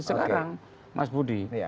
sekarang mas budi